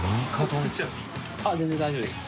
あっ全然大丈夫です。